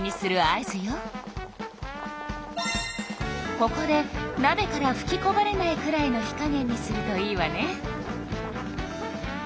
ここでなべからふきこぼれないくらいの火加減にするといいわね。